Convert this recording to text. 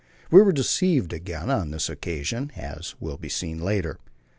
We were deceived again on this occasion, as will be seen later.